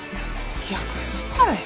逆スパイ？